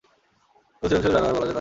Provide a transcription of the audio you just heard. একদল সৃজনশীল জানোয়ার বলা যায় তাদেরকে।